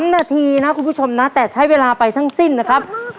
๓นาทีนะคุณผู้ชมนะแต่ใช้เวลาไปทั้งสิ้นนะครับ